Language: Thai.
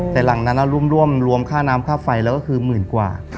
แต่หลังนั้นร่วมรวมค่าน้ำค่าไฟแล้วก็คือหมื่นกว่า